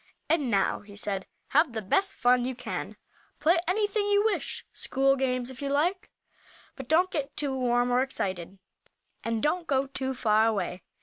"And now," he said, "have the best fun you can. Play anything you wish school games if you like but don't get too warm or excited. And don't go too far away.